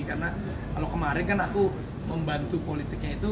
karena kalau kemarin kan aku membantu politiknya itu